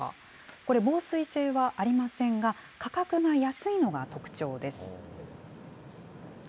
これ、防水性はありませんが、価格が安いのが特徴です。